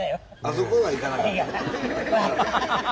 そこへは行かなかった？